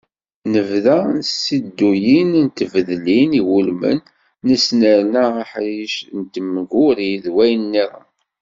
Nebda s tisedduyin d tdeblin iwulmen, nesnerna aḥric n temguri d wayen-nniḍen.